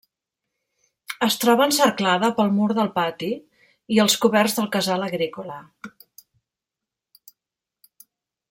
Es troba encerclada pel mur del pati i els coberts del casal agrícola.